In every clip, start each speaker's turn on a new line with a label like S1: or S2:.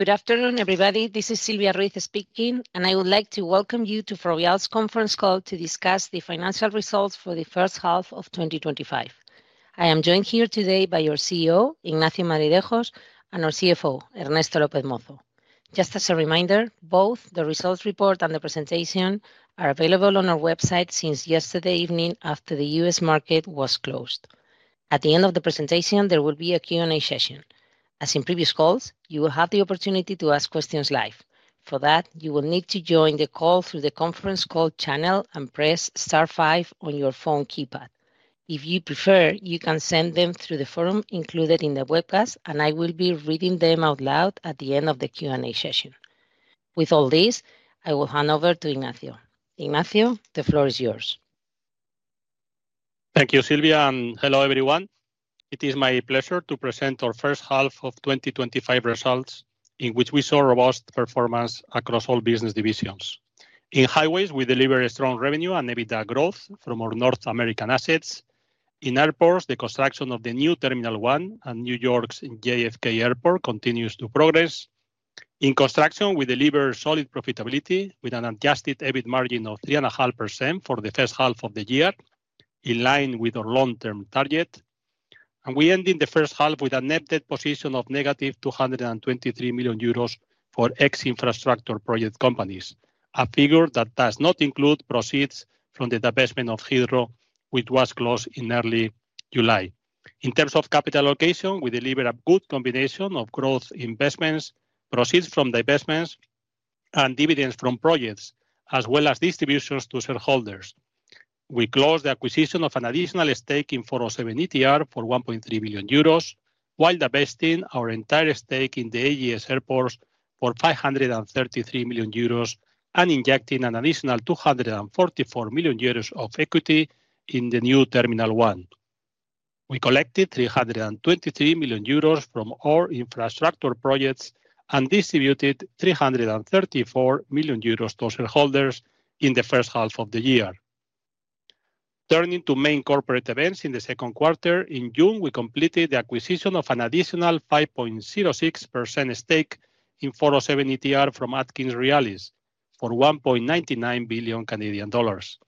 S1: Good afternoon everybody. This is Silvia Ruiz speaking and I would like to welcome you to Ferrovial's Conference Call to discuss the financial results for the first half of 2025. I am joined here today by our CEO Ignacio Madridejos and our CFO Ernesto López Mozo. Just as a reminder, both the results report and the presentation are available on our website since yesterday evening after the U.S. market was closed. At the end of the presentation there will be a Q&A session. As in previous calls, you will have the opportunity to ask questions live. For that you will need to join the call through the conference call channel and press star five on your phone keypad. If you prefer, you can send them through the forum included in the webcast and I will be reading them out loud at the end of the Q&A session. With all this I will hand over to Ignacio. Ignacio, the floor is yours.
S2: Thank you, Silvia, and hello everyone. It is my pleasure to present our first half of 2025 results in which we saw robust performance across all business divisions. In Highways, we deliver a strong revenue. EBITDA growth from our North American assets. In airports, the construction of the new. Terminal 1 and New York's JFK International Airport continues to progress. In construction, we deliver solid profitability. An Adjusted EBIT margin of 3.5% for. The first half of the year in line with our long term target. We end in the first half with a net debt position of negative. 223 million euros for ex infrastructure project. Companies, a figure that does not include proceeds from the divestment of Heathrow which was closed in early July. In terms of capital allocation, we deliver a good combination of growth investments, proceeds from divestments and dividends from projects as well as distributions to shareholders. We closed the acquisition of an additional. Stake in 407 ETR for 1.3 billion euros. while divesting our entire stake in the AGS Airports for 533 million euros and injecting an additional 244 million euros of equity in the New Terminal One. We collected 323 million euros from our infrastructure projects and distributed 334 million euros to total holders in the first half of the year. Turning to main corporate events in the second quarter. In June we completed the acquisition of an additional 5.06% stake in 407 ETR from AtkinsRéalis for 1.99 billion Canadian dollars,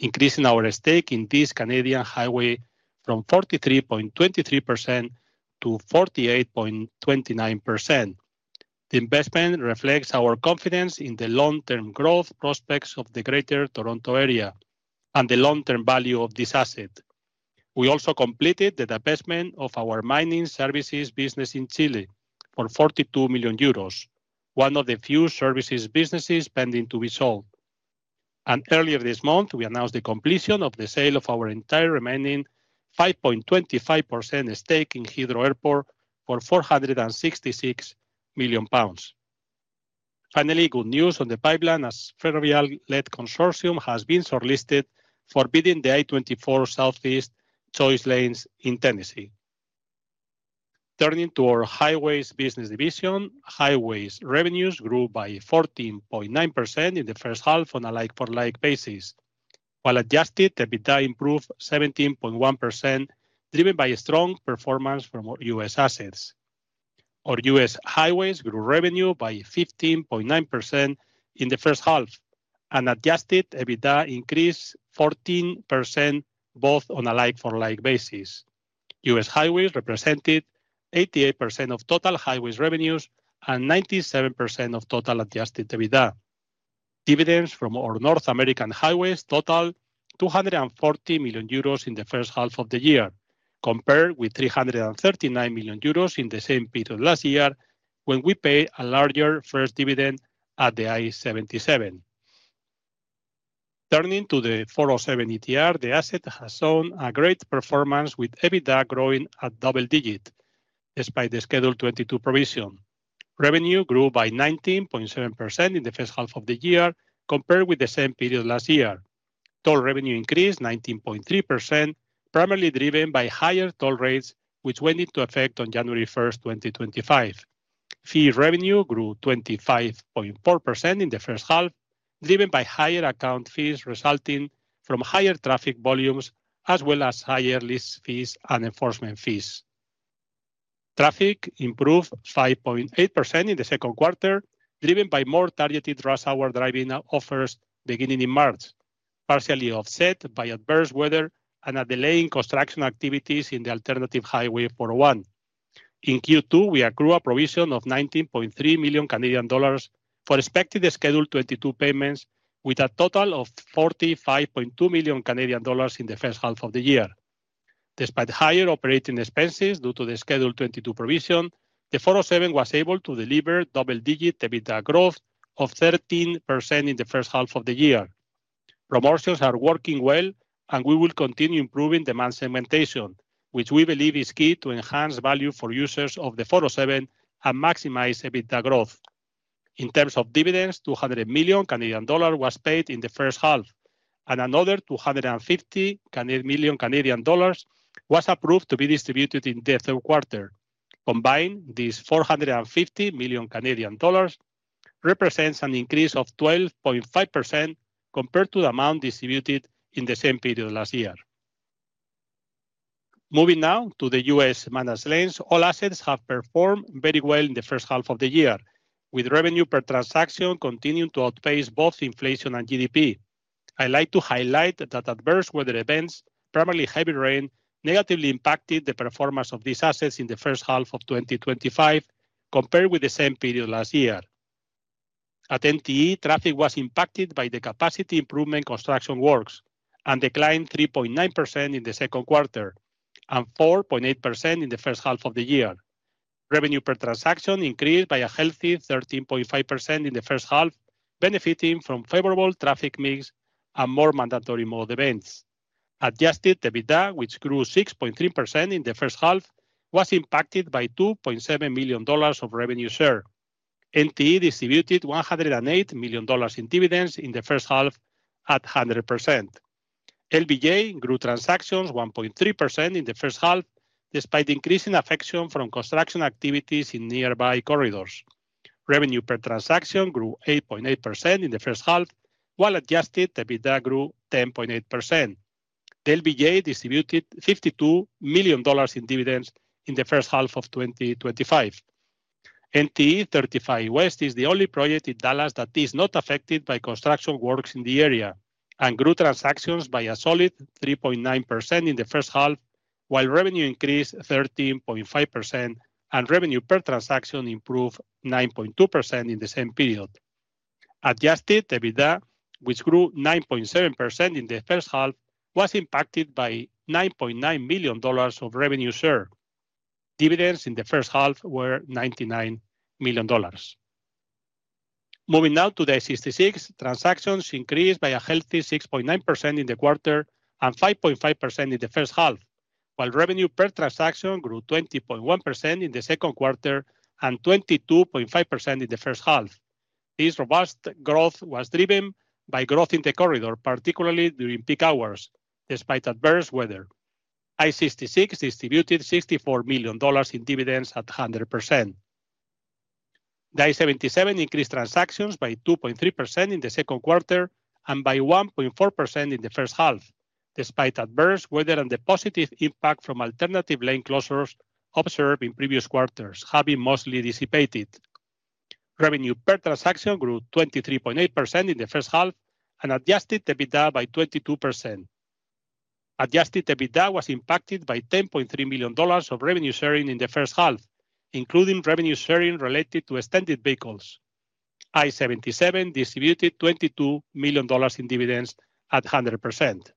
S2: increasing our stake in this Canadian highway from 43.23%-48.29%. The investment reflects our confidence in the long term growth prospects of the Greater Toronto Area and the long term value of this asset. We also completed the divestment of our mining services business in Chile for 42 million euros, one of the few services businesses pending to be sold. Earlier this month we announced the completion of the sale of our entire remaining 5.25% stake in Heathrow Airport for EUR 466 million. Finally, good news on the pipeline as Ferrovial-led consortium has been shortlisted for bidding the I-24 Southeast Choice Lanes in Tennessee. Turning to our highways business division, Highways revenues grew by 14.9% in the first half on a like-for-like basis while Adjusted EBITDA improved 17.1% driven by a strong performance from U.S. assets. Our U.S. highways grew revenue by 15.9% in the first half. Adjusted EBITDA increased 14% both on a like-for-like basis. U.S. highways represented 88% of total Highways revenues and 97% of total Adjusted EBITDA. Dividends from our North American highways totaled 240 million euros in the first half of the year compared with 339 million euros in the same period last year when we paid a larger first dividend at the I-77. Turning to the 407 ETR, the asset has shown a great performance with EBITDA growing at double digit despite the Schedule 22 provision. Revenue grew by 19.7% in the first half of the year compared with the same period last year. Toll revenue increased 19.3% primarily driven by higher toll rates which went into effect on January 1st, 2025. Fee revenue grew 25.4% in the first half driven by higher account fees resulting from higher traffic volumes as well as higher lease fees and enforcement fees. Traffic improved 5.8% in the second quarter driven by more targeted rush hour driving offers beginning in March, partially offset by adverse weather and a delay in construction. Activities in the alternative Highway 401. In Q2 we accrue a provision of 19.3 million Canadian dollars for expected Schedule 22 payments with a total of 45.2 million Canadian dollars. CAD 1 million in the first half of the year. Despite higher operating expenses due to the Schedule 22 provision. The 407 was able to deliver double-digit EBITDA growth of 13% in the first half of the year. Promotions are working well and we will continue improving demand segmentation, which we believe is key to enhance value for users of the 407 and maximize EBITDA growth. In terms of dividends, 200 million Canadian dollar was paid in the first half and another 250 million Canadian dollars was approved to be distributed in the third quarter. Combined, this 450 million Canadian dollars represents an increase of 12.5% compared to the amount distributed in the same period last year. Moving now to the U.S. Managed lanes, all assets have performed very well in the first half of the year, with revenue per transaction continuing to outpace both inflation and GDP. I like to highlight that adverse weather events, primarily heavy rain, negatively impacted the performance of these assets in the first half of 2025 compared with the same period last year. At NTE, traffic was impacted by the capacity improvement construction works and declined 3.9% in the second quarter and 4.8% in the first half of the year. Revenue per transaction increased by a healthy 13.5% in the first half, benefiting from favorable traffic mix and more mandatory Mode events. Adjusted EBITDA, which grew 6.3% in the first half, was impacted by $2.7 million of revenue share. NTE distributed $108 million in dividends in the first half at 100%. LBJ grew transactions 1.3% in the first half despite increasing affection from construction activities in nearby corridors. Revenue per transaction grew 8.8% in the first half while Adjusted EBITDA grew 10.8%. The LBJ distributed $52 million in dividends. In the first half of 2025. NTE 35West is the only project in Dallas that is not affected by construction works in the area and grew transactions by a solid 3.9% in the first half while revenue increased 13.5% and revenue per transaction improved 9.2% in the same period. Adjusted EBITDA, which grew 9.7% in the first half, was impacted by $9.9 million of revenue sharing. Dividends in the first half were $99 million. Moving now to the I-66, transactions increased by a healthy 6.9% in the quarter and 5.5% in the first half, while revenue per transaction grew 20.1% in the second quarter and 22.5% in the first half. This robust growth was driven by growth in the corridor, particularly during peak hours despite adverse weather. I-66 distributed $64 million in dividends at 100%. The I-77 increased transactions by 2.3% in the second quarter and by 1.4% in the first half. Despite adverse weather and the positive impact from alternative lane closures observed in previous quarters have been mostly dissipated. Revenue per transaction grew 23.8% in the first half and Adjusted EBITDA by 22%. Adjusted EBITDA was impacted by $10.3 million of revenue sharing in the first half, including revenue sharing related to extended vehicles. I-77 distributed $22 million in dividends at 100%.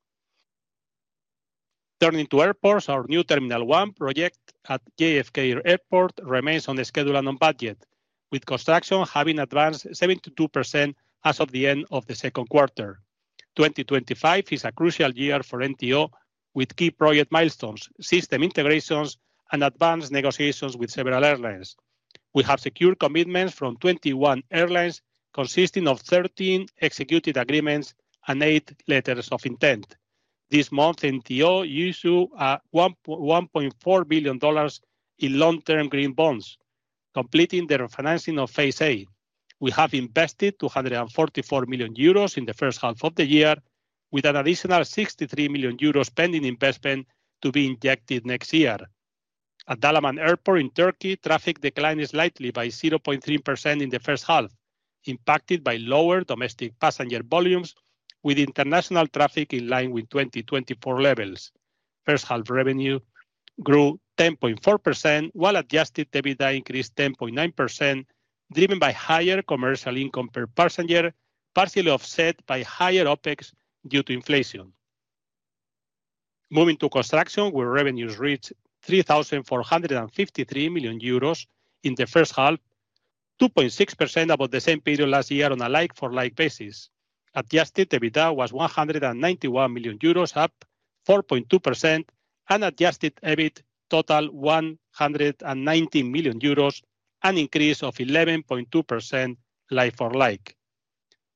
S2: Turning to airports, our New Terminal One project at JFK Airport remains on schedule and on budget, with construction having advanced 72% as of the end of the second quarter. 2025 is a crucial year for NTO with key project milestones, system integrations, and advanced negotiations with several airlines. We have secured commitments from 21 airlines consisting of 13 executed agreements and eight letters of intent. This month NTO issued $1.4 billion in long-term green bonds, completing the refinancing of phase A. We have invested 244 million euros in the first half of the year, with an additional 63 million euros investment to be injected next year. At Dalaman Airport in Turkey, traffic declined slightly by 0.3% in the first half, impacted by lower domestic passenger volumes. With international traffic in line with 2024 levels, first half revenue grew 10.4% while Adjusted EBITDA increased 10.9%, driven by higher commercial income per passenger, partially offset by higher OpEx due to inflation. Moving to construction, where revenues reached 3,453 million euros in the first half, 2.6% above the same period last year. On a like for like basis, Adjusted EBITDA was 191 million euros, up 4.2% and Adjusted EBIT total 119 million euros, an increase of 11.2%. Like for like,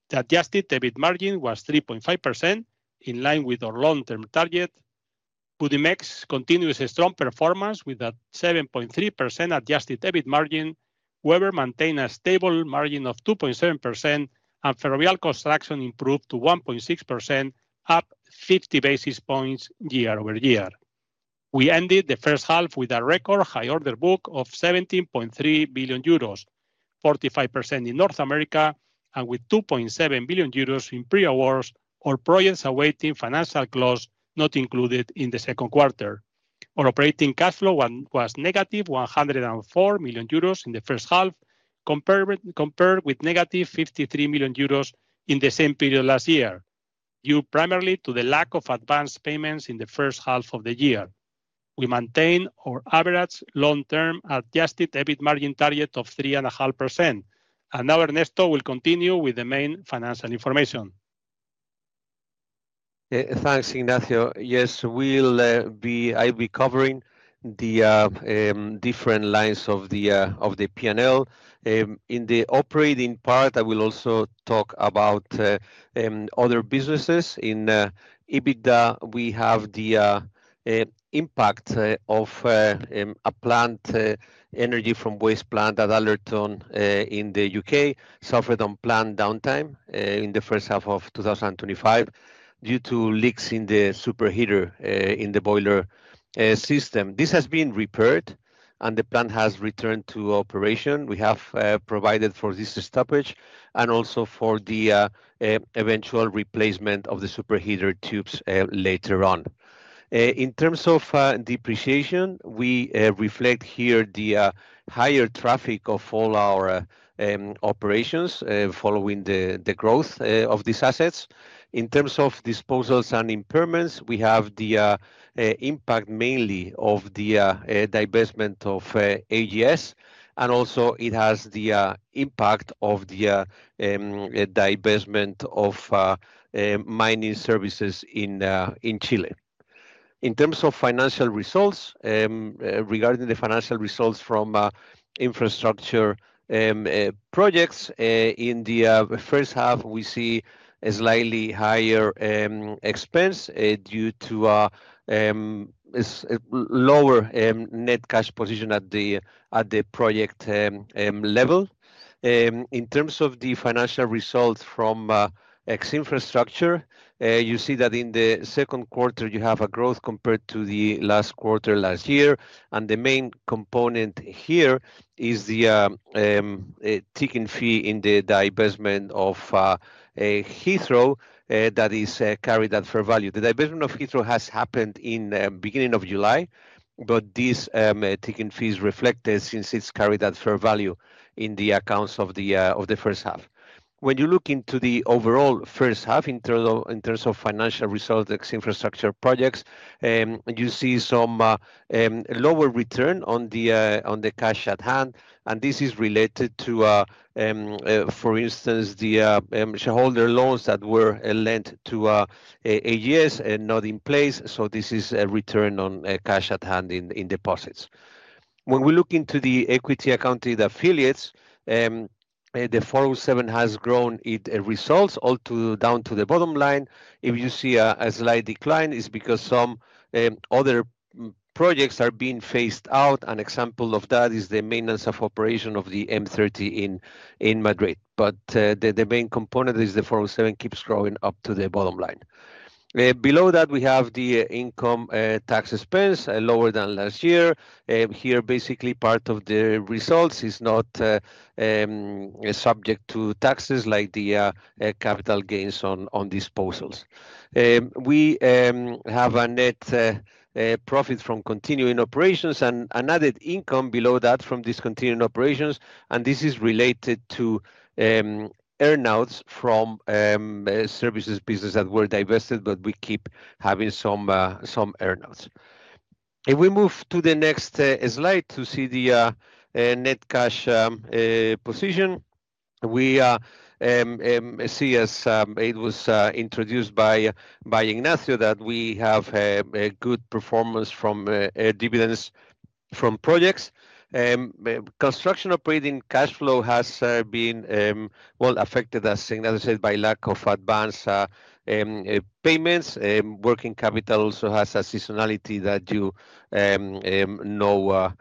S2: the Adjusted EBIT margin was 3.5% in line with our long term target. Budimex continues a strong performance with a 7.3% Adjusted EBIT margin. Webber maintained a stable margin of 2.7% and Ferrovial Construction improved to 1.6%, up 50 basis points year-over-year. We ended the first half with a record high order book of 17.3 billion euros, 45% in North America and with 2.7 billion euros in pre awards. All projects awaiting financial clause not included in the second quarter. Our operating cash flow was negative 104 million euros in the first half, compared with negative 53 million euros in the same period last year. Due primarily to the lack of advance payments in the first half of the year. We maintain our average long term Adjusted EBIT margin target of 3.5%. Now Ernesto will continue with the main financial information.
S3: Thanks, Ignacio. Yes, I'll be covering the different lines of the P&L in the operating part. I will also talk about other businesses in EBITDA. We have the impact of an energy from waste plant at Allerton in the U.K. that suffered unplanned downtime in the first half of 2025 due to leaks in the superheater in the boiler system. This has been repaired and the plant has returned to operation. We have provided for this stoppage and also for the eventual replacement of the superheater tubes later on. In terms of depreciation, we reflect here the higher traffic of all our operations following the growth of these assets. In terms of disposals and impairments, we have the impact mainly of the divestment of AGS and also it has the impact of the divestment of mining services in Chile. In terms of financial results, regarding the financial results from infrastructure projects in the first half, we see a slightly higher expense due to lower net cash position at the project level. In terms of the financial results from ex-infrastructure, you see that in the second quarter you have a growth compared to the last quarter last year. The main component here is the ticking fee in the divestment of Heathrow that is carried at fair value. The divestment of Heathrow has happened at the beginning of July, but this ticking fee is reflected since it's carried at fair value in the accounts of the first half. When you look into the overall first half in terms of financial results infrastructure projects, you see some lower return on the cash at hand. This is related to, for instance, the shareholder loans that were lent to AGS and not in place. This is a return on cash at hand in deposits. When we look into the equity accounted affiliates, the 407 has grown its results all the way down to the bottom line. If you see a slight decline, it's because some other projects are being phased out. An example of that is the maintenance of operation of the M-30 in Madrid. The main component is the 407 keeps growing up to the bottom line. Below that, we have the income tax expense lower than last year. Here, basically part of the results is not subject to taxes like the capital gains on disposals. We have a net profit from continuing operations and added income below that from discontinued operations. This is related to earnouts from services business that were divested. We keep having some earnouts. If we move to the next slide to see the net cash position, we see as it was introduced by Ignacio, that we have a good performance from dividends from projects construction. Operating cash flow has been well affected, as Ignacio said, by lack of advance payments. Working capital also has a seasonality that you know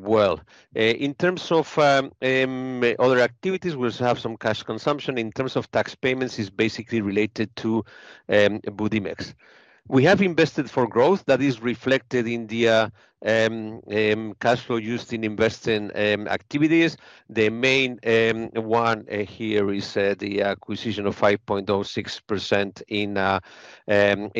S3: well. In terms of other activities, we also have some cash consumption in terms of tax payments. It is basically related to Budimex. We have invested for growth. That is reflected in the cash flow used in investing activities. The main one here is the acquisition of 5.06% in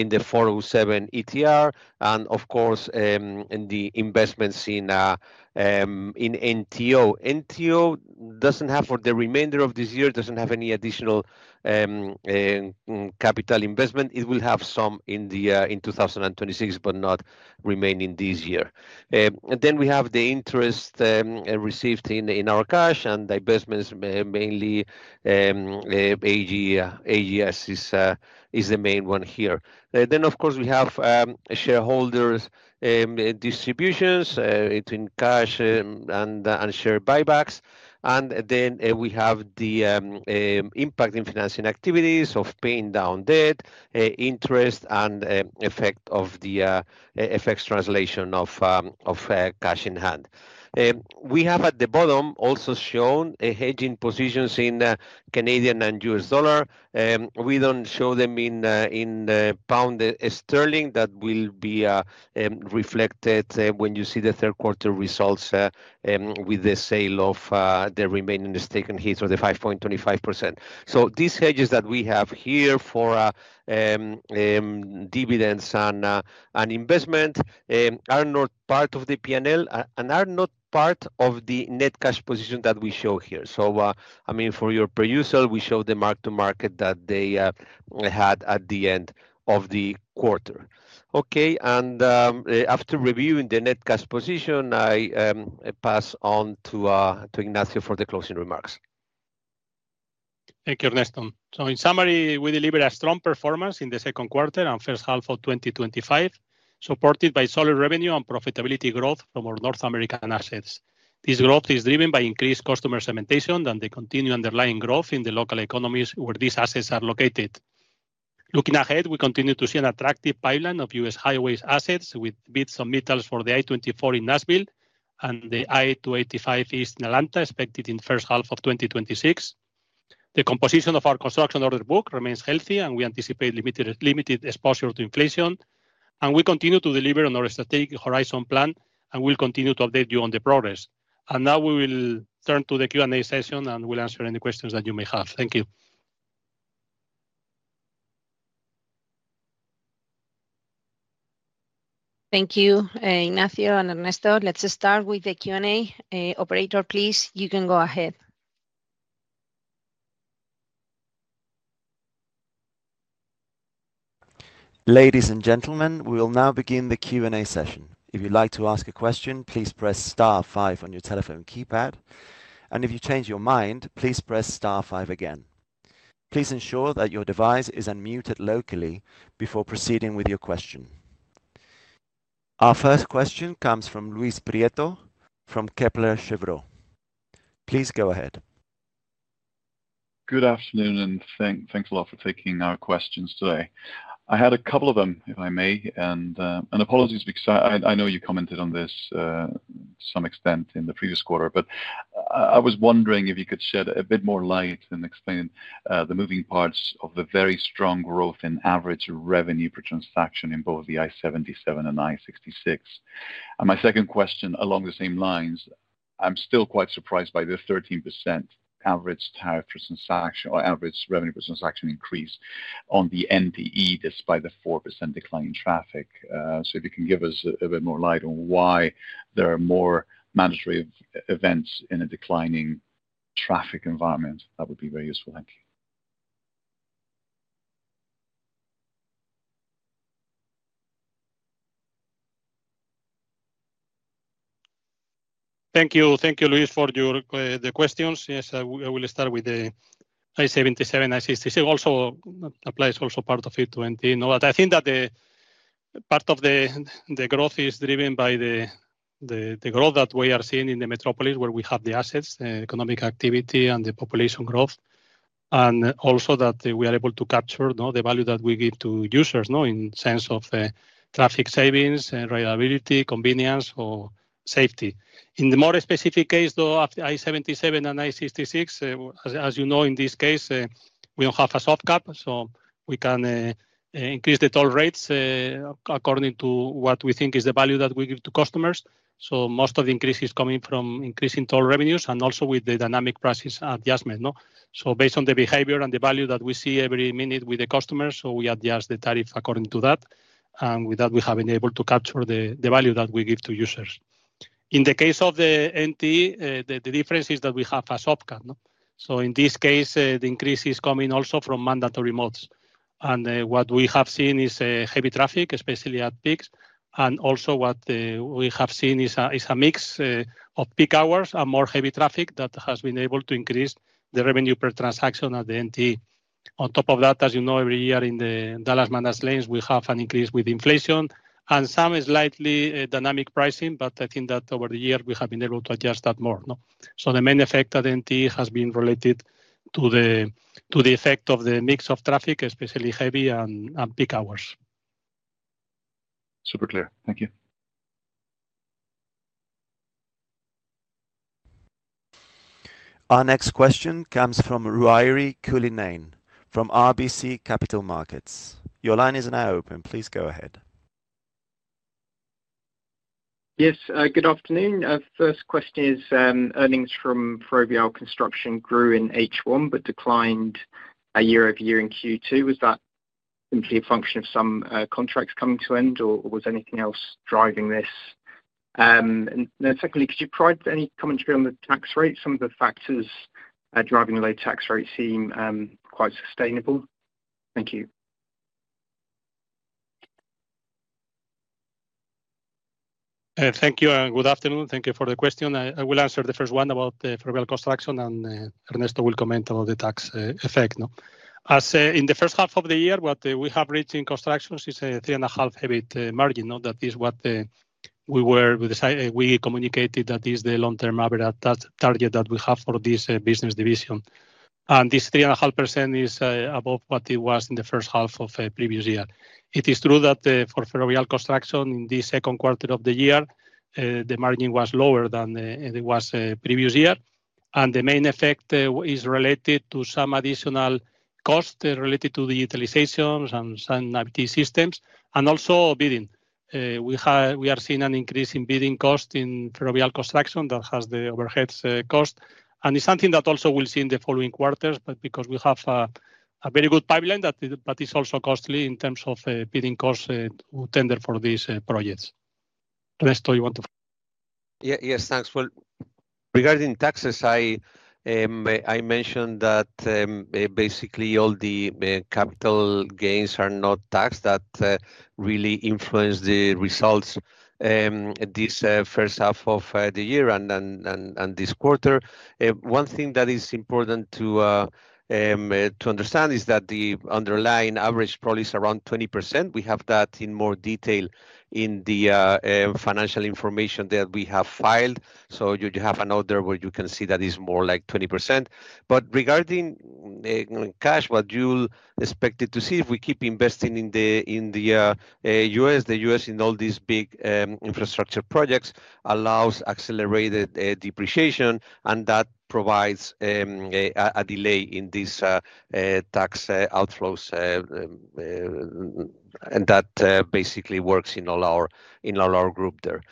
S3: the 407 ETR and of course in the investments in NTO. NTO does not have for the remainder of this year, does not have any additional capital investment. It will have some in 2026 but not remaining this year. We have the interest received in our cash and divestments, mainly AGS is the main one here. Of course, we have shareholders distributions between cash and share buybacks. We have the impact in financing activities of paying down debt interest and effect of the FX translation of cash in hand. We have at the bottom also shown hedging positions in Canadian and U.S. dollar. We do not show them in pound sterling. That will be reflected when you see the third quarter results with the sale of the remaining stake and Heathrow the 5.25%. These hedges that we have here. For. Dividends and investment are not part of the P&L and are not part of the net cash position that we show here. I mean, for your perusal, we show the mark to market that they had at the end of the quarter. Okay. After reviewing the net cash position, I pass on to Ignacio for the closing remarks.
S2: Thank you, Ernesto. In summary, we delivered a strong. Performance in the second quarter and first half of 2025, supported by solid revenue and profitability growth from our North American assets. This growth is driven by increased customer. Segmentation and the continued underlying growth in the local economies where these assets are located. Looking ahead, we continue to see an attractive pipeline of U.S. highways assets with bids and medals for the I-24 in Nashville and the I-285 East in Atlanta, expected in first half of 2026. The composition of our construction order book remains healthy and we anticipate limited exposure to inflation. We continue to deliver on our Strategic Horizon plan. We'll continue to update you on the progress. We will turn to the Q&A session and we'll answer any questions that you may have. Thank you. You.
S1: Thank you, Ignacio and Ernesto. Let's start with the Q&A. Operator, please. You can go ahead.
S4: Ladies and gentlemen, we will now begin the Q&A session. If you'd like to ask a question, please press star five on your telephone keypad. If you change your mind, please press star five again. Please ensure that your device is unmuted locally before proceeding with your question. Our first question comes from Luis Prieto from Kepler Cheuvreux. Please go ahead.
S5: Good afternoon and thanks a lot for taking our questions today. I had a couple of them if I may and apologies because I know you commented on this to some extent in the previous quarter, but I was wondering if you could shed a bit more light and explain the moving parts of the very strong growth in average revenue per transaction in both the I-77 and I-66. My second question along the same lines, I'm still quite surprised by the 13% average tariff or average revenue per transaction increase on the NTE despite the 4% decline in traffic. If you can give us a bit more light on why there are more mandatory events in a declining traffic environment, that would be very useful. Thank you.
S2: Thank you. Thank you, Luis, for your questions. Yes, I will start with the I-77. I-66 also applies, also part of 820. I think that part of the growth is driven by the growth that we are seeing in the metropolis where we have the assets, economic activity, and the population growth, and also that we are able to capture the value that we give to users in sense of traffic savings, reliability, convenience, or safety. In the more specific case, though, after I-77 and I-66, as you know, in. this case we don't have a soft. Cap so we can increase the toll rates according to what we think is the value that we give to customers. Most of the increase is coming from increasing toll revenues and also with the dynamic prices adjustment. Based on the behavior and the value that we see every minute with the customers, we adjust the tariff according to that and with that we have been able to capture the value. That we give to users. In the case of the NTE, the difference is that we have a soft cap. In this case the increase is coming also from mandatory modes and what we have seen is heavy traffic, especially at peaks. Also, what we have seen is a mix of peak hours and more heavy traffic that has been able to increase the revenue per transaction at the NTE. On top of that, as you know, every year in the Dallas managed lanes we have an increase with inflation and some slightly dynamic pricing. I think that over the years we have been able to adjust that more. The main effect at the NTE has been related to the effect of the mix of traffic, especially heavy and peak hours.
S5: Super clear, thank you.
S4: Our next question comes from Ruairi Cullinane from RBC Capital Markets. Your line is now open. Please go ahead.
S6: Yes, good afternoon. First question is earnings from Ferrovial Construction. Grew in H1 but declined year-over-year in Q2. Was that simply a function of some? Contracts coming to end or was anything else driving this? Could you provide any commentary on the tax rate? Some of the factors driving the low tax rate seem quite sustainable. Thank you.
S2: Thank you and good afternoon. Thank you for the question. I will answer the first one about the federal cost reduction and Ernesto will comment about the tax effect in the first half of the year. What we have reached in construction is a 3.5% EBIT margin. That is what we communicated. That is the long term average target that we have for this business division. This 3.5% is above what it was in the first half of previous year. It is true that for Ferrovial Construction in the second quarter of the year the margin was lower than it was previous year. The main effect is related to some additional cost related to the utilization and IT systems. Also bidding. We are seeing an increase in bidding cost in Ferrovial Construction that has the overheads cost and it's something that also will see in the following quarters. Because we have a very good pipeline, but it's also costly in terms of bidding costs tender for these projects. Ernesto, you want to.
S3: Yes, thanks. Regarding taxes, I mentioned that basically all the capital gains are not taxed. That really influenced the results this first half of the year and this quarter. One thing that is important to understand is that the underlying average probably is around 20%. We have that in more detail in the financial information that we have filed. You have an order where you can see that it is more like 20%. Regarding cash, what you will expect to see if we keep investing in the U.S., the U.S. in all these big infrastructure projects allows accelerated depreciation and that provides a delay in these tax outflows. That basically works in all our group there.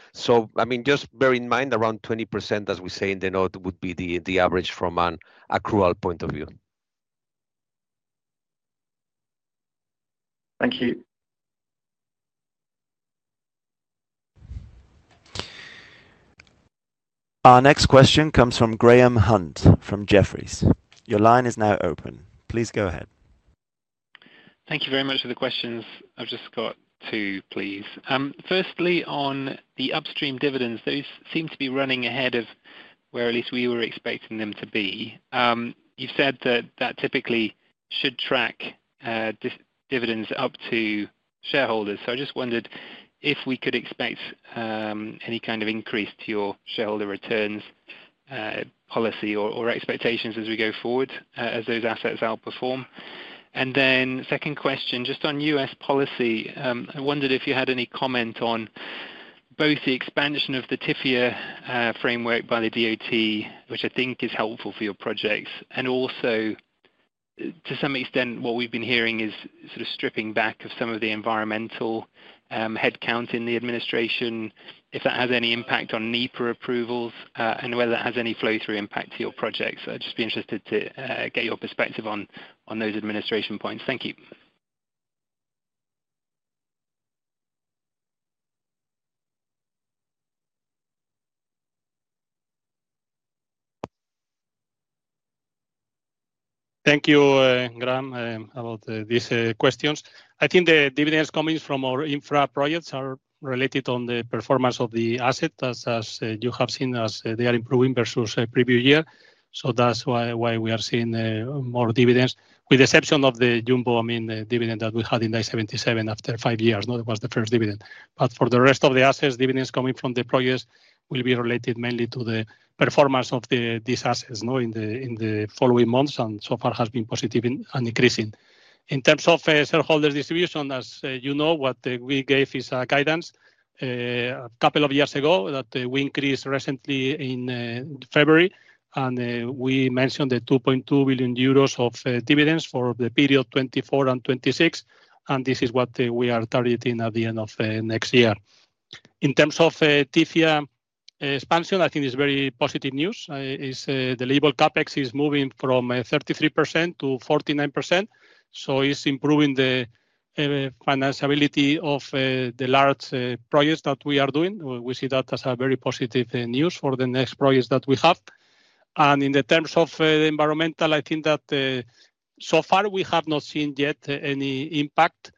S3: I mean just bear in mind around 20%, as we say in the note, would be the average from an accrual point of view.
S6: Thank you.
S4: Our next question comes from Graham Hunt from Jefferies. Your line is now open. Please go ahead.
S7: Thank you very much for the questions. I've just got two, please. Firstly, on the upstream dividends, those seem to be running ahead of where at least we were expecting them to be. You said that that typically should track dividends up to shareholders. I just wondered if we could expect any kind of increase to your shareholder returns policy or expectations as we go forward as those assets outperform. Second question just on U.S. policy. I wondered if you had any comment on both the expansion of the TIFIA framework by the DOT, which I think is helpful for your projects, and also to some extent what we've been hearing is sort of stripping back of some of the environmental headcount in the administration, if that has any impact on NEPA approvals and whether that has any flow through impact to your projects. I'd just be interested to get your perspective on those administration points. Thank you. Thank you. Graham, about these questions. I think the dividends coming from our infra projects are related on the performance of the asset as you have seen as they are improving versus previous year. That is why we are seeing more dividends with the exception of the jumbo. I mean the dividend that we had in I-77 after five years, it was the first dividend. For the rest of the assets, dividends coming from the projects will be related mainly to the performance of these assets in the following months and so far has been positive and increasing in terms of shareholder distribution. As you know, what we gave is guidance a couple of years ago that we increased recently in February and we mentioned the 2.2 billion euros of dividends for the period 2024 and 2026 and this is what we are targeting at the end of next year.
S2: In terms of TIFIA expansion, I think it is very positive news. The label CapEx is moving from 33%-49% so it is improving the. Of. The large projects that we are doing. We see that as very positive news for the next projects that we have. In terms of the environmental, I think that so far we have not seen yet any impact,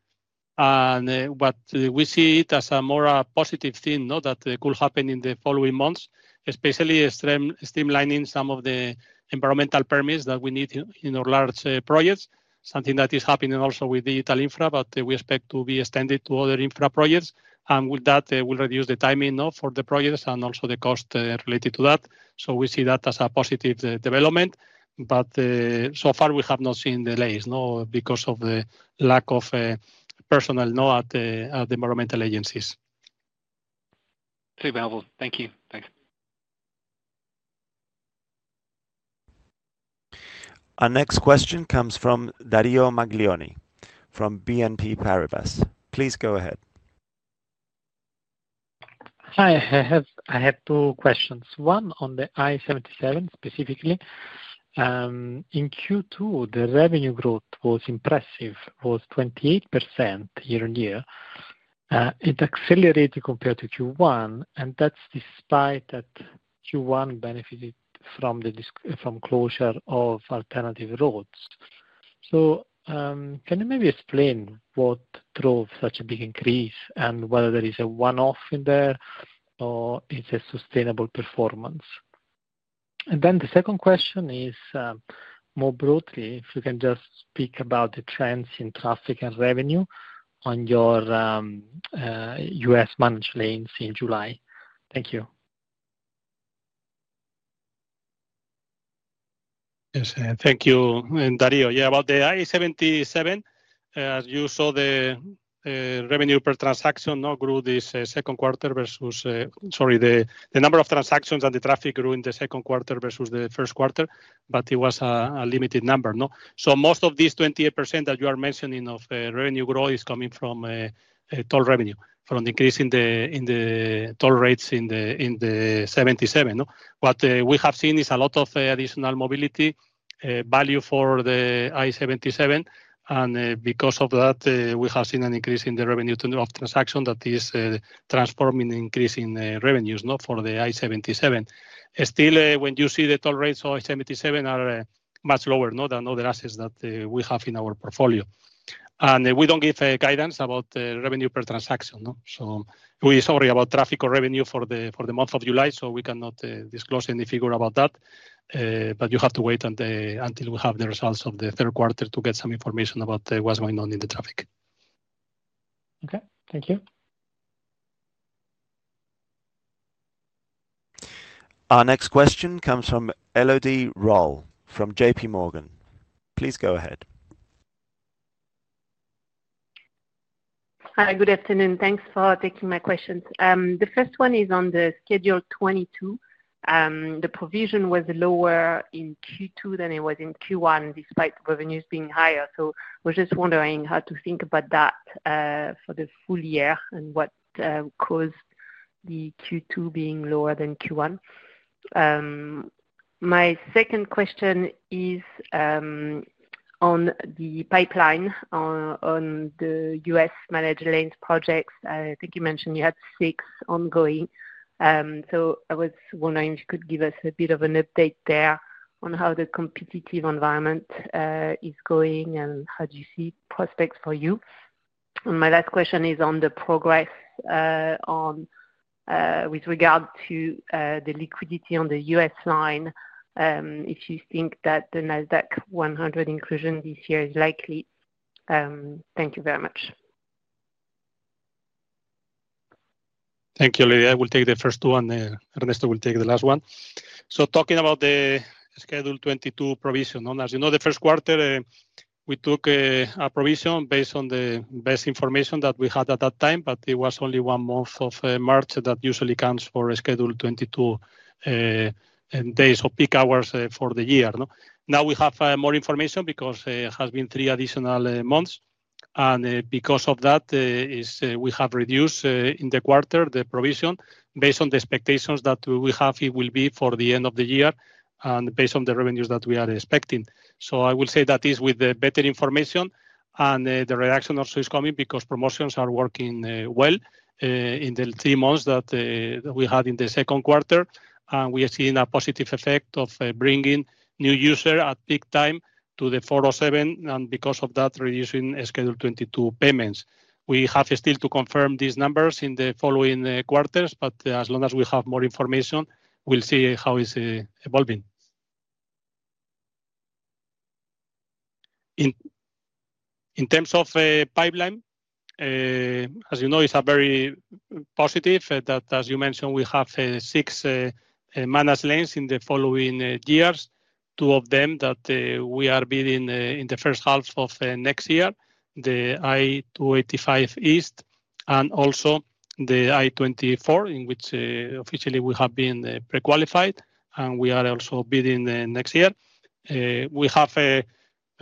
S2: but we see it as a more positive thing that could happen in the following months, especially streamlining some of the environmental permits that we need in our large projects. Something that is happening also with digital infra, but we expect to be extended to other infra projects and with that we will reduce the timing for the projects and also the cost related to that. We see that as a positive development. So far we have not seen delays because of the lack of personnel at the environmental agencies.
S7: Thank you. Thanks.
S4: Our next question comes from Dario Maglione from BNP Paribas. Please go ahead.
S8: Hi, I have two questions. One on the I-77 specifically in Q2, the revenue growth was impressive, was 28%. Year-on-year it accelerated compared to Q1 and that is despite that Q1 benefited from closure of alternative roads. Can you maybe explain what drove such a big increase and whether there is a one off in there or it is a sustainable performance. The second question is more broadly, if you can just speak about the trends in traffic and revenue on your U.S. managed lanes in July. Thank you.
S2: Thank you. Dario. Yeah. About the I-77, as you saw, the. Revenue per transaction grew this second quarter versus, sorry, the number of transactions and the traffic grew in the second quarter versus the first quarter. It was a limited number. Most of these 28% that you are mentioning of revenue growth is coming from toll revenue, from the increase in the toll rates in the I-77. What we have seen is a lot of additional mobility value for the I-77. Because of that we have seen an increase in the revenue per transaction that is transforming into increasing revenues. Not for the I-77. Still, when you see the toll rates of I-77, they are much lower than other assets that we have in our portfolio and we do not give guidance about revenue per transaction. Sorry. About traffic or revenue for the month of July. We cannot disclose any figure about that. You have to wait until we have the results of the third quarter to get some information about what is going on in the traffic.
S8: Okay, thank you.
S4: Our next question comes from Elodie Rall from JPMorgan. Please go ahead.
S9: Hi, good afternoon. Thanks for taking my questions. The first one is on the Schedule 22. The provision was lower in Q2 than it was in Q1 despite revenues being higher. So we're just wondering how to think about that for the full year and what caused the Q2 being lower than Q1. My second question is on the pipeline on the U.S. managed lanes projects. I think you mentioned you had six ongoing. So I was wondering if you could give us a bit of an update there on how the competitive environment is going and how do you see prospects for you? My last question is on the progress on with regard to the liquidity on the U.S. line, if you think that the Nasdaq 100 inclusion this year is likely. Thank you very much.
S2: Thank you, Elodie. I will take the first one. Ernesto will take the last one. Talking about the Schedule 22 provision, as you know, the first quarter we took a provision based on the best information that we had at that time, but it was only one month of March. That usually comes for a Schedule 22 days of peak hours for the year. Now we have more information because it has been three additional months. Because of that we have reduced. In the quarter, the provision based on. The expectations that we have, it will be for the end of the year and based on the revenues that we are expecting. I will say that is with the better information. The reaction also is coming because promotions are working well in the three months that we had in the second quarter. We are seeing a positive effect of. Bringing new user at peak time too. The 407 and because of that reducing Schedule 22 payments. We have still to confirm these numbers. In the following quarters, but as long as we have more information, we'll see how it's evolving. In terms of. Pipeline, as you know, it's very positive that as you mentioned, we have six managed lanes in the following years. Two of them that we are building in the first half of next year, the I-285 East and also the I-24, in which officially we have been prequalified and we are also bidding next year. We have a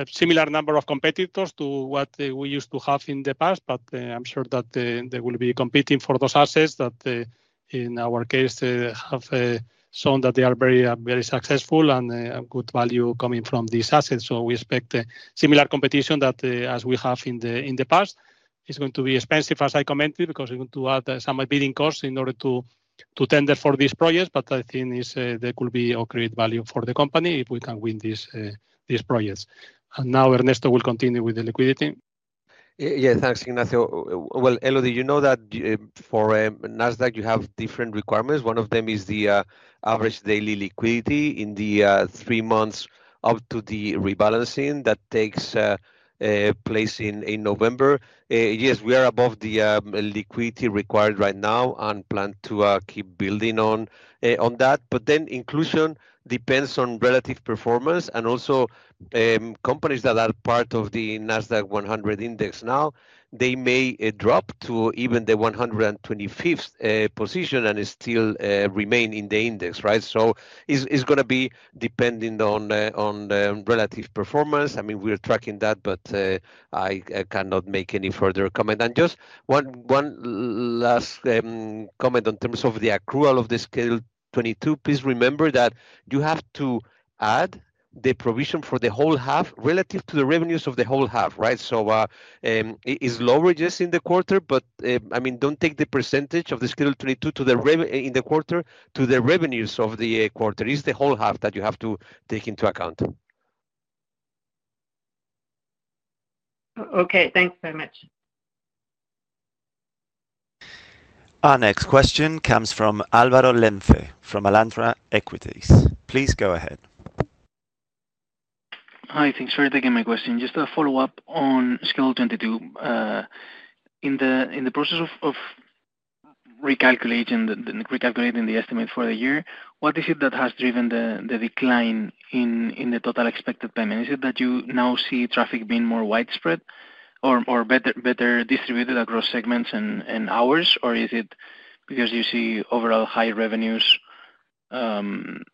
S2: similar number of competitors. To what we used to have in the past, but I'm sure that they will be competing for those assets that in our case have shown that they are very, very successful and good value coming from these assets. We expect similar competition as we have in the past. It's going to be expensive, as I commented, because we're going to add some bidding costs in order to tender for these projects. I think there could be a great value for the company if we can win this, these projects. Now Ernesto will continue with the liquidity.
S3: Yeah. Thanks, Ignacio. Elodie, you know that for Nasdaq you have different requirements. One of them is the average daily liquidity in the three months up to the rebalancing that takes place in November. Yes, we are above the liquidity required right now and plan to keep building on that. Inclusion depends on relative performance. Also, companies that are part of the Nasdaq 100 index now, they may drop to even the 125th position and still remain in the index. Right. It is going to be depending on relative performance. I mean, we are tracking that, but I cannot make any further comment. Just one last comment. In terms of the accrual of the Schedule 22, please remember that you have to add the provision for the whole half relative to the revenues of the whole half. Right. It is lower, yes, in the quarter, but I mean, do not take the percentage of the Schedule 22 in the quarter to the revenues of the quarter. It is the whole half that you have to take into account.
S9: Okay, thanks so much.
S4: Our next question comes from Álvaro [Llorente] from Alantra Equities. Please go ahead.
S10: Hi, thanks for taking my question. Just a follow up on Schedule 22. In the process of recalculating the estimate. For the year, what is it that? Has driven the decline in the total expected payment? Is it that you now see traffic being more widespread or better distributed across segments and hours? Is it because you see overall high revenues from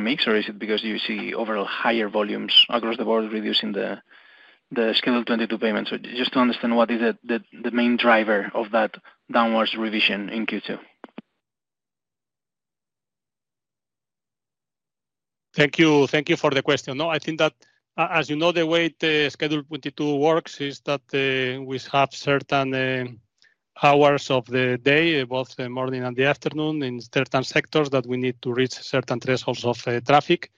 S10: mix? Is it because you see overall higher volumes across the board, reducing the Schedule 22 payments? Just to understand what is the main driver of that downwards revision in Q2.
S2: Thank you. Thank you for the question. No, I think that as you know, the way the Schedule 22 works is. That we have certain hours of the. Day, both the morning and the afternoon in certain sectors that we need to reach certain thresholds of traffic.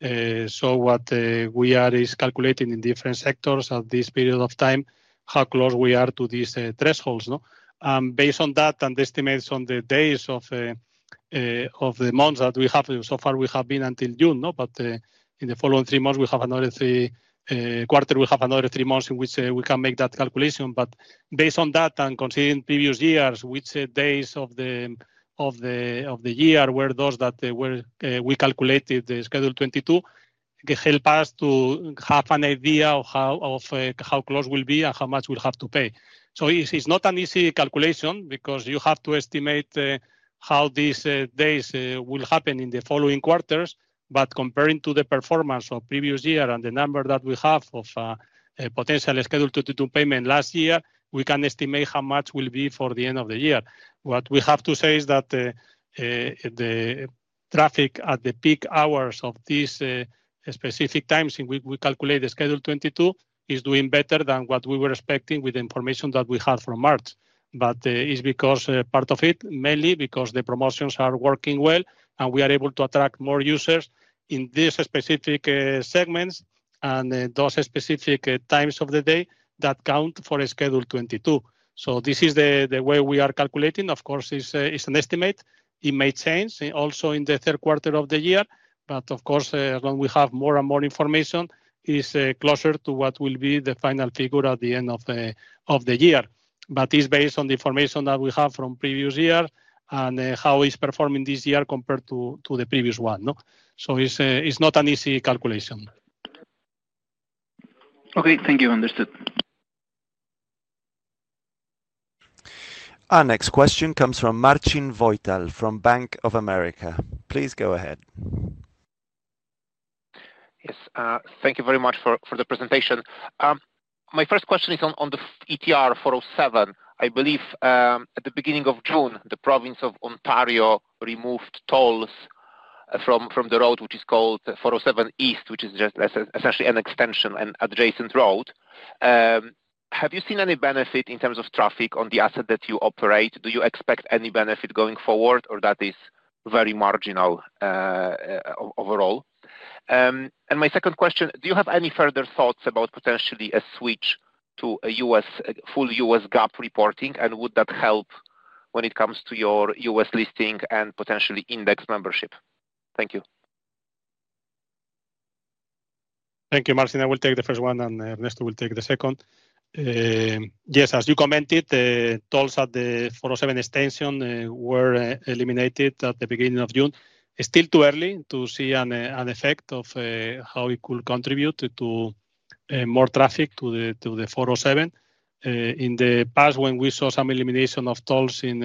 S2: What we are is calculating in different sectors at this period of time how close we are to these thresholds. Based on that and estimates on the days of the months that we have so far, we have been until June, but in the following three months we have another three quarter. We have another three months in which we can make that calculation. Based on that and considering previous years, which days of the year were those that we calculated, the Schedule 22 help us to have an idea of how close we'll be and how much we'll have to pay. It is not an easy calculation because you have to estimate how these days will happen in the following quarters. Comparing to the performance of previous. Year and the number that we have of potentially scheduled to do payment last year, we can estimate how much will be for the end of the year. What we have to say is that the traffic at the peak hours of these specific times in which we calculate the Schedule 22 is doing better than what we were expecting with the information. That we had from March. It is because part of it, mainly because the promotions are working well and we are able to attract more users in these specific segments and those specific times of the day that count for Schedule 22. This is the way we are calculating. Of course, it is an estimate. It may change also in the third. Quarter of the year. Of course, when we have more and more information, it is closer to what will be the final figure at the end of the year. It is based on the information that we have from the previous year and how it is performing this year compared to the previous one. It is not an easy calculation.
S10: Okay, thank you. Understood.
S4: Our next question comes from Marcin [Wojtal] from Bank of America. Please go ahead.
S11: Yes, thank you very much for the presentation. My first question is on the ETR 407, I believe at the beginning of June, the Province of Ontario removed tolls from the road, which is called 407. East, which is just essentially an extension and adjacent road. Have you seen any benefit in terms of traffic on the asset that you operate? Do you expect any benefit going forward? Or that is very marginal overall? My second question, do you have. Any further thoughts about potentially a switch to a full U.S. GAAP reporting and would that help when it comes to? Your U.S. listing and potentially index membership? Thank you.
S2: Thank you, Marcin. I will take the first one and Ernesto will take the second. Yes, as you commented, tolls at the. 407 extension were eliminated at the beginning of June. It's still too early to see an effect of how it could contribute to more traffic to the 407. In the past when we saw some elimination of tolls in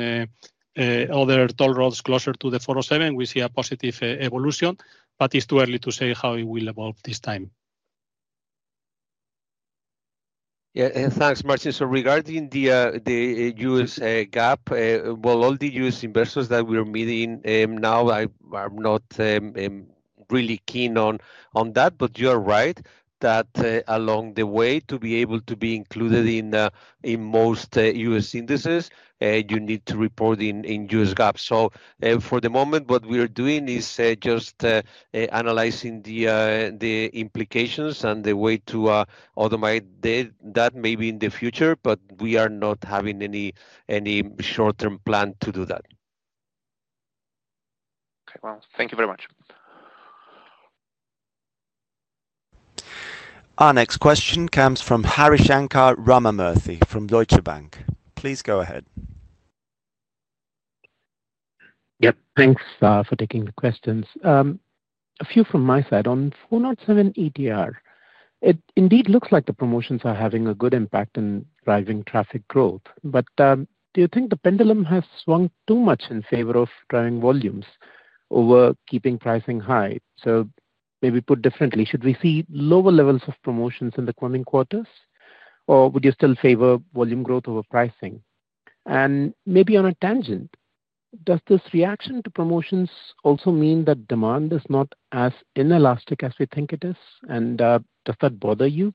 S2: other toll roads closer to the 407, we see a positive evolution, but it's too early to say how it will evolve this time.
S3: Yeah. Thanks, Marcin. Regarding U.S. GAAP, all the U.S. investors that we're meeting now are not really keen on that. You're right that along the way to be able to be included in most U.S. indices, you need to report in U.S. GAAP. For the moment, what we are doing is just analyzing the implications and the way to automate that maybe in the future, but we are not having any short-term plan to do that.
S11: Okay, thank you very much.
S4: Our next question comes from Harishankar Ramamoorthy from Deutsche Bank. Please go ahead.
S12: Yep. Thanks for taking the questions. A few from my side on 407 ETR, it indeed looks like the promotions are having a good impact in driving traffic growth. Do you think the pendulum has swung too much in favor of driving volumes over keeping pricing high? Maybe put differently, should we see lower levels of promotions in the coming quarters or would you still favor volume growth over pricing? Maybe on a tangent, does this reaction to promotions also mean that demand is not as inelastic as we think it is? Does that bother you?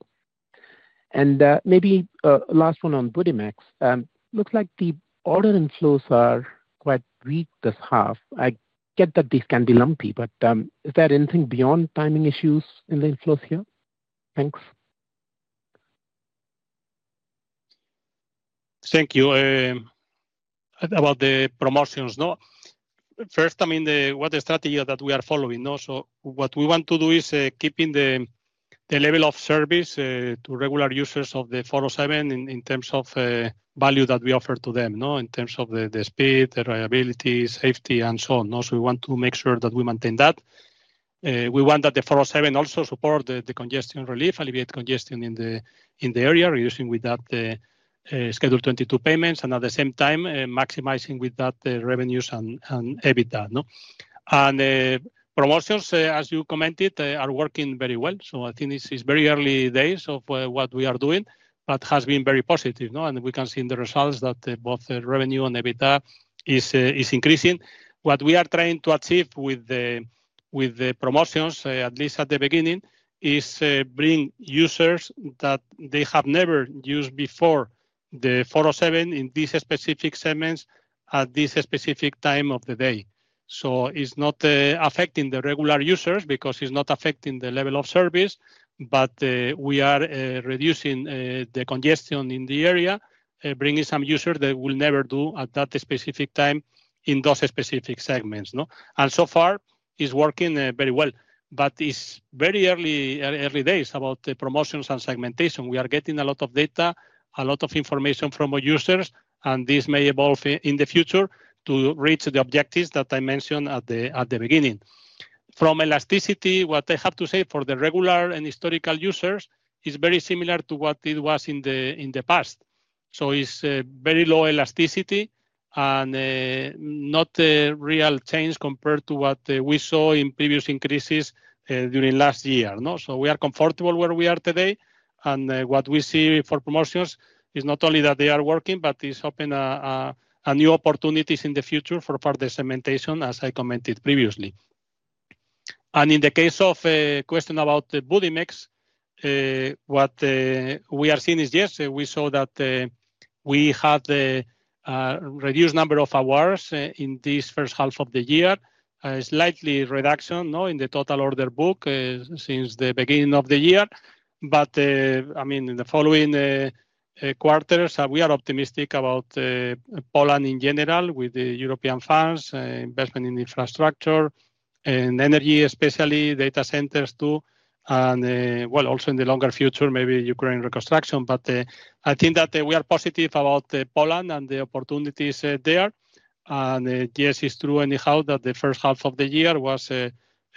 S12: Maybe last one on Budimex, looks like the order inflows are quite weak this half. I get that these can be lumpy, but is there anything beyond timing issues in the inflows here. Thanks.
S2: Thank you. About the promotions. No, first, I mean the. What is the strategy that we are following? What we want to do is keeping the level of service to regular. Users of the 407 in terms of. Value that we offer to them. terms of the speed, the reliability, safety and so on. We want to make sure that we maintain that. We want that the 407 also support the congestion relief, alleviate congestion in the area, reducing with that Schedule 22 payments and at the same time maximizing with that revenues and EBITDA, and promotions, as you commented, are working very well. I think this is very early days of what we are doing, but has been very positive and we can see in the results that both revenue and EBITDA is increasing. What we are trying to achieve with. The promotions, at least at the beginning. Is bring users that they have never used before the 407 in these specific. Segments at this specific time of the day. It is not affecting the regular users because it is not affecting the level of service, but we are reducing the congestion. In the area, bringing some user that. Will never do at that specific time. In those specific segments. It is working very well. It is very early days. About the promotions and segmentation, we are getting a lot of data, a lot. Of information from our users and this may evolve in the future to reach the objectives that I mentioned at the beginning. From elasticity, what I have to say. For the regular and historical users, it is. Very similar to what it was in the past. It's very low elasticity and not real change compared to what we saw in. Previous increases during last year. We are comfortable where we are today and what we see for promotions is not only that they are working, but is opening new opportunities in the future for further cementation. As I commented previously and in the. Case of question about the Budimex, what we are seeing is yes, we saw that we had reduced number of hours in this first half of the year. Slightly reduction in the total order book. Since the beginning of the year, but I mean in the following quarters we are optimistic about Poland in general with the European funds, investment in infrastructure and energy, especially data centers too, and also in the longer future maybe Ukraine reconstruction. I think that we are positive about Poland and the opportunities there. Yes, it's true anyhow that the first half of the year was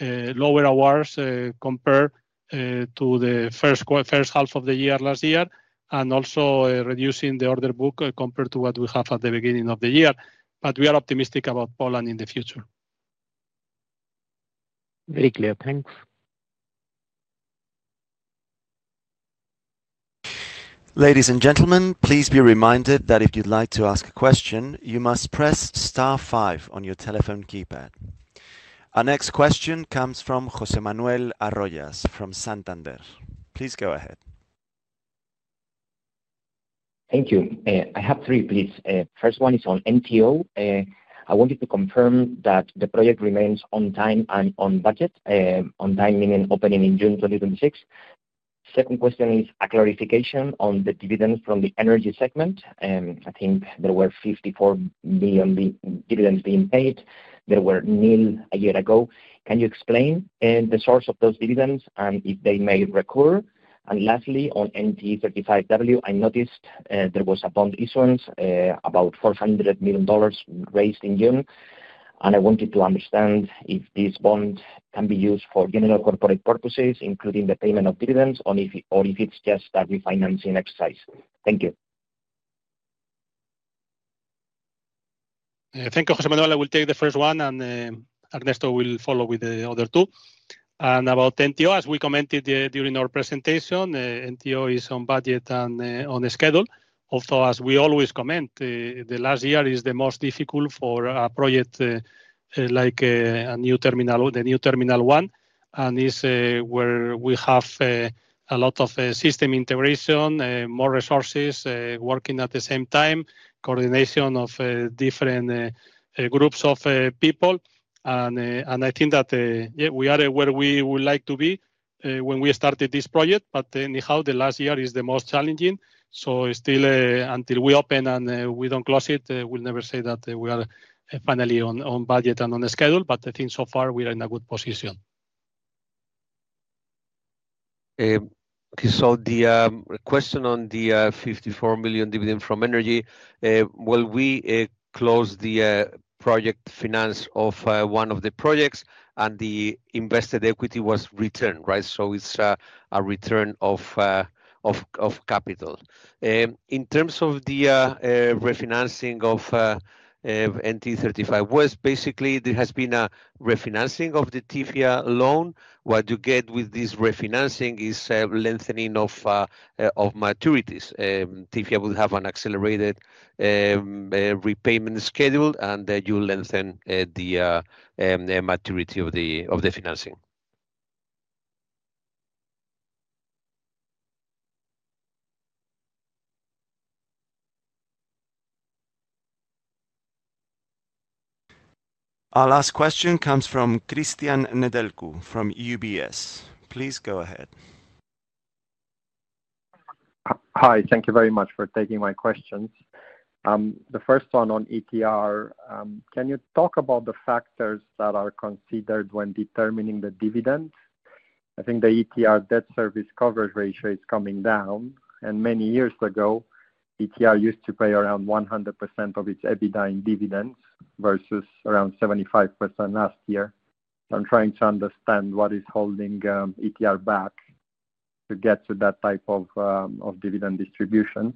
S2: lower awards compared to the first half of the year last year and also reducing the order book compared to what we have at the beginning of the year. We are optimistic about Poland in the future.
S12: Very clear. Thanks.
S4: Ladies and gentlemen, please be reminded that if you'd like to ask a question, you must press star five on your telephone keypad. Our next question comes from José Manuel Arroyas from Santander. Please go ahead.
S13: Thank you. I have three, please. First one is on NTO. I wanted to confirm that the project remains on time and on budget. On time, meaning opening in June 2026. Second question is a clarification on the dividend from the energy segment. I think there were 54 billion dividends being paid. There were nil a year ago. Can you explain the source of those dividends and if they may recur. Lastly on NTE 35W, I noticed there was a bond issuance about $400 million raised in June. I wanted to understand if this bond can be used for general corporate purposes, including the payment of dividends, or if it is just a refinancing exercise. Thank you.
S2: Thank you, Jose Manuel. I will take the first one and Ernesto will follow with the other two. About NTO, as we commented during our presentation, NTO is on budget and on schedule. Although, as we always comment, the last year is the most difficult for a project like the New Terminal One and is where we have a lot of system integration, more resources working at the same time, coordination of different groups of people. I think that we are where we would like to be when we started this project. Anyhow, the last year is the most challenging. Still, until we open and we do not close it, we will never say that we are finally on budget and on the schedule. I think so far we are in a good position.
S3: The question on the $54 million dividend from energy. We closed the project finance of one of the projects and the invested equity was returned. Right. It is a return of capital. In terms of the refinancing of NTE 35W, basically there has been a refinancing of the TIFIA loan. What you get with this refinancing is lengthening of maturities. TIFIA will have an accelerated repayment schedule and you lengthen the maturity of the financing.
S4: Our last question comes from Christian Nedelcu from UBS. Please go ahead.
S14: Hi, thank you very much for taking my questions. The first one on ETR, can you talk about the factors that are considered when determining the dividend? I think the ETR debt service coverage ratio is coming down and many years ago ETR used to pay around 100% of its EBITDA in dividends versus around 75% last year. I'm trying to understand what is holding ETR back to get to that type of dividend distributions.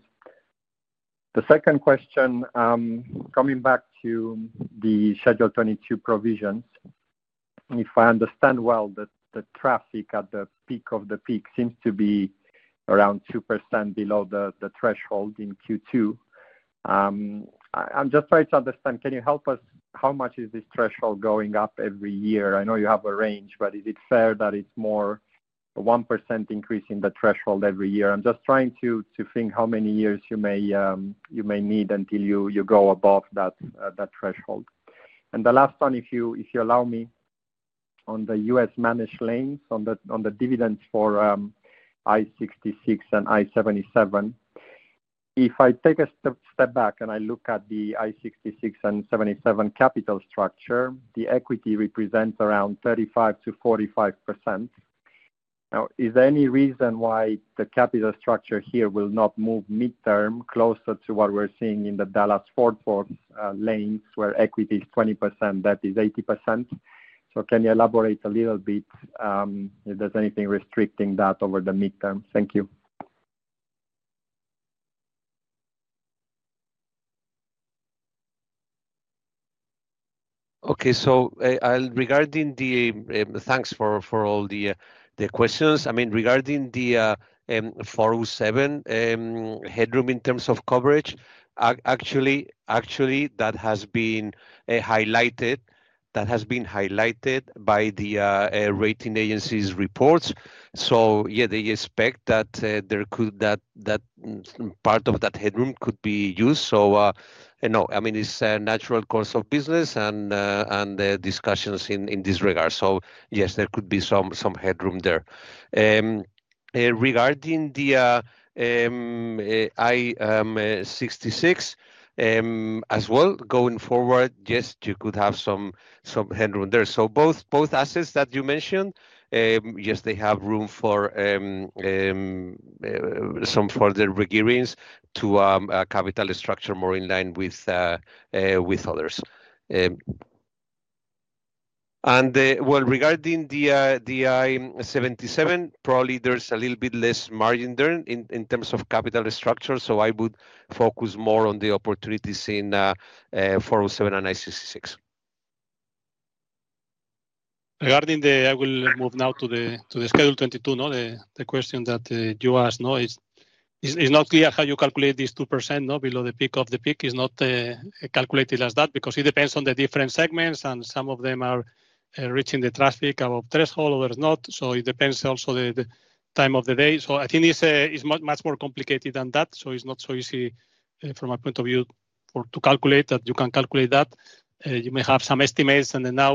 S14: The second question coming back to the Schedule 22 provisions, if I understand well that the traffic at the peak of the peak seems to be around 2% below the threshold in Q2, I'm just trying to understand can you help us how much is this threshold going up every year? I know you have a range, but is it fair that it's more 1% increase in the threshold every year? I'm just trying to think how many years you may need until you go above that threshold. The last one, if you allow me, on the U.S. managed lanes on the dividends for I-66 and I-77, if I take a step back and I look at the I-66 and I-77 capital structure, the equity represents around 35%-45%. Now is there any reason why the capital structure here will not move mid term closer to what we're seeing in the Dallas-Fort Worth lanes where equity is 20%, debt is 80%? Can you elaborate a little bit if there's anything restricting that over the midterm? Thank you.
S3: Okay, so regarding the thanks for all the questions. I mean regarding the 407 headroom in terms of coverage, actually that has been highlighted by the rating agencies reports. Yeah, they expect that part of that headroom could be used. No, I mean it's a natural course of business and discussions in this regard. Yes, there could be some headroom there regarding the I-66 as well going forward. Yes, you could have some headroom there. Both assets that you mentioned, yes, they have room for some further rigorians to a capital structure more in line with others. Regarding the I-77, probably there's a little bit less margin there in terms of capital restructure. I would focus more on the opportunities in 407 and I-66.
S2: Regarding the I will move now to the Schedule 22. The question that you asked is not clear how you calculate this. 2% not below the peak of the peak is not calculated as that because it depends on the different segments and some of them are reaching the traffic above threshold, others not. It depends also the time of the day. I think it's much more complicated than that. It's not so easy from a point of view to calculate that. You can calculate that, you may have some estimates, and then now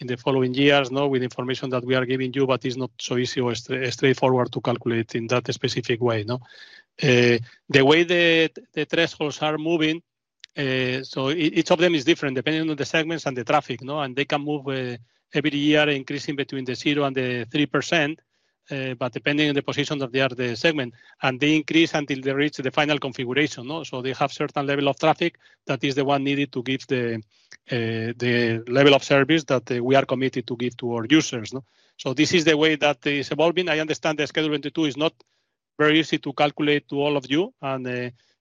S2: in the following years with information that we are giving you, but it's not so easy or straightforward to calculate in that specific way the way that the thresholds are moving. Each of them is different depending. On the segments and the traffic. They can move every year increasing between 0% and 3% but depending on the position of the other segment and they increase until they reach the final configuration. They have certain level of traffic that is the one needed to give the level of service that we are committed to give to our users. This is the way that is evolving. I understand the Schedule 22 is not very easy to calculate to all of. You and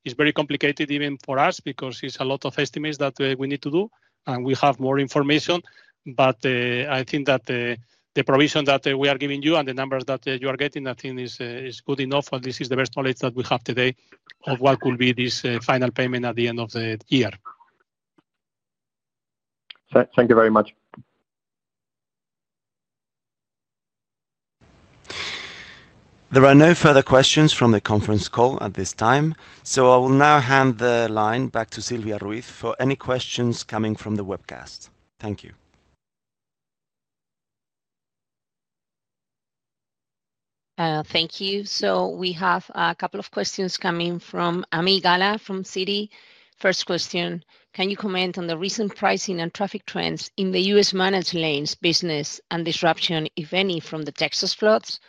S2: it's very complicated even for us because it's a lot of estimates that we need to do and we have more information. I think that the provision that we are giving you and the numbers that you are getting I think is good enough. This is the best knowledge that. We have today of what could be. This final payment at the end of the year.
S14: Thank you very much.
S4: There are no further questions from the conference call at this time. I will now hand the line back to Silvia Ruiz for any questions coming from the webcast. Thank you.
S1: Thank you. We have a couple of questions coming from [Amigala from Citi. First question, can you comment on the recent pricing and traffic trends in the U.S. Managed lanes business and disruption, if any, from the Texas floods?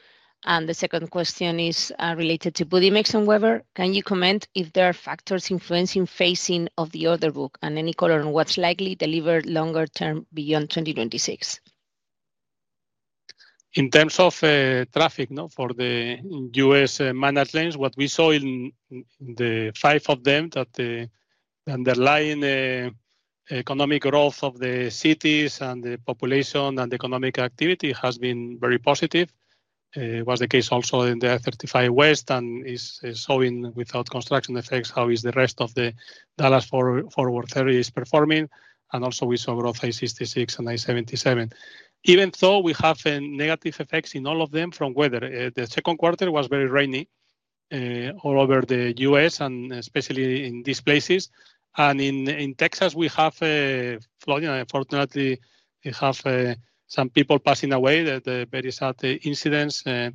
S1: The second question is related to Budimex and Webber. Can you comment if there are factors influencing phasing of the order book and any color on what is likely delivered longer term beyond 2026.
S2: In terms of traffic for the U.S. managed lanes, what we saw in the five of them is that underlying economic growth of the cities and the population and economic activity has been very positive. Was the case also in the I-35West and is showing without construction effects. How is the rest of the Dallas-Fort Worth 30 performing? Also, we saw growth in I-66 and I-77 even though we have negative effects in all of them from weather. The second quarter was very rainy all over the U.S. and especially in these places. In Texas we have flooding. Unfortunately, we have some people passing away. Very sad incidents that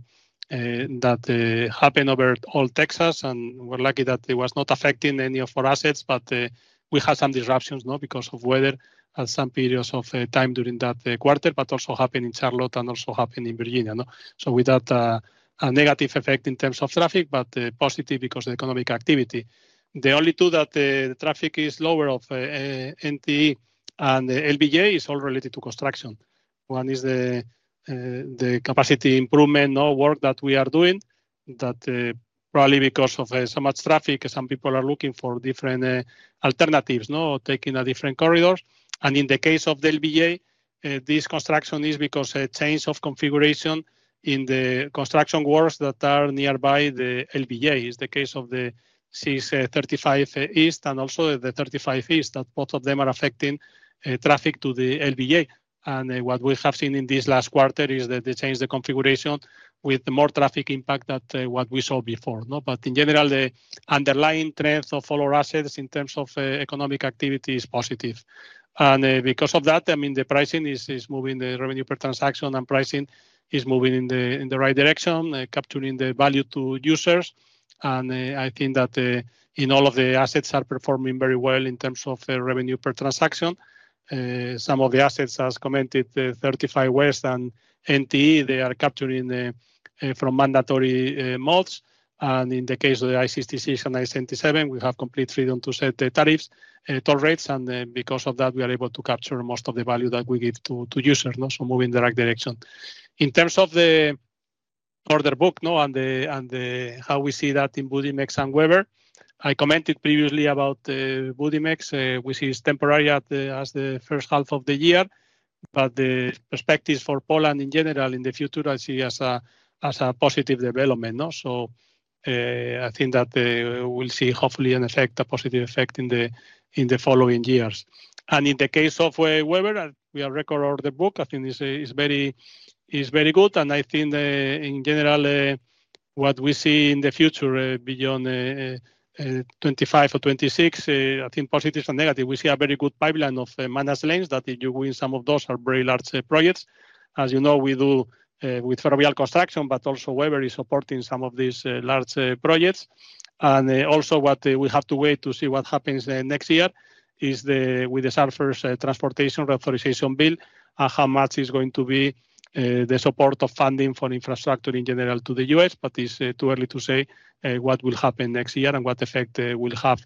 S2: happened over all Texas and we're lucky that it was not affecting any of our assets. We have some disruptions because of weather at some periods of time during that quarter, also happened in Charlotte and also happened in Virginia. Without a negative effect in terms of traffic, but positive because of economic activity. The only two that the traffic is lower, NTE and LBJ, is all related to construction. One is the capacity improvement work that we are doing that probably because of so much traffic, some people are looking for different alternatives, taking different corridors. In the case of the LBJ. This construction is because a change of configuration in the construction works that are nearby. The LBJ is the case of the I-35 East and also the 35 East. That both of them are affecting traffic to the LBJ. What we have seen in this last quarter is that they change the configuration with more traffic impact than what we saw before. In general, the underlying trends of all our assets in terms of economic activity is positive. Because of that, the pricing is moving the revenue per transaction and pricing is moving in the right direction, capturing the value to users. I think that in all of the assets are performing very well in terms of revenue per transaction. Some of the assets has commented 35 West and NTE they are capturing from mandatory modes. In the case of the I-66, I-77, we have complete freedom to set tariffs, toll rates. Because of that we are able to capture most of the value that we give to users. Moving in the right direction in terms of the order book and how we see that in Budimex and Webber. I commented previously about Budimex, which is temporary as the first half of the year. The perspectives for Poland in general in the future, I see as a positive development. I think that we'll see hopefully an effect, a positive effect in the following years. In the case of Webber, we. Have record of the book, I think is very good. I think in general what we see in the future beyond 2025 or 2026, I think positives are negative. We see a very good pipeline of managed lanes that you win. Some of those are very large projects. As you know, we do with Ferrovial Construction. Also, Webber is supporting some of these large projects. What we have to wait to see next year is with the surface transportation reauthorization bill, how much is going to be the support of funding for infrastructure in general to the U.S., but it's too early to say what will happen next year and what effect it will have.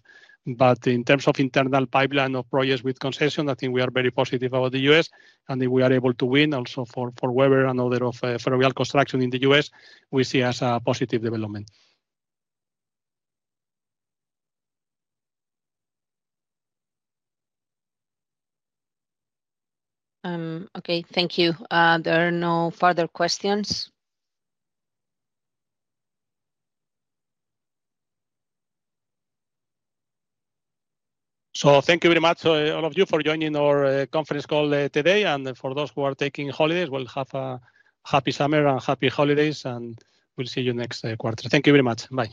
S2: In terms of internal pipeline of projects with concession, I think we are very positive about the U.S., and if we are able to win also for Webber and other of Ferrovial Construction in the U.S., we see as a positive development.
S1: Okay, thank you. There are no further questions.
S2: Thank you very much all of you for joining our conference call today. For those who are taking holidays, have a happy summer and happy holidays and we'll see you next quarter. Thank you very much. Bye.